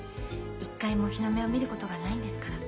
一回も日の目を見ることがないんですから。